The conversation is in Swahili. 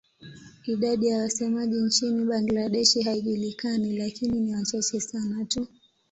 Idadi ya wasemaji nchini Bangladesh haijulikani lakini ni wachache sana tu.